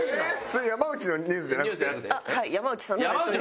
それ山内のニュースじゃなくて？